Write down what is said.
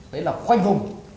đấy là khoanh vùng